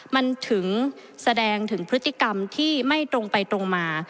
มันถึงแสดงถึงพฤติกรรมที่ไม่ตรงไปตรงมา